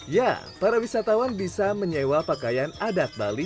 ya para wisatawan bisa menyewa pakaian adat bali